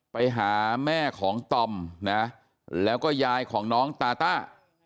ไปหาแม่ของตอมนะแล้วก็ยายของน้องตาต้า